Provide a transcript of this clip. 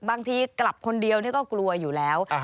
บางทีกลับคนเดียวก็กลัวอยู่แล้ว